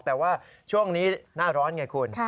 แต่ว่าช่วงนี้หน้าร้อนไงคุณ